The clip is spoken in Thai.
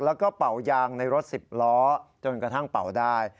แล้วก็เป่ายางในรถ๑๐ล้อจนกระทั่งเป่าได้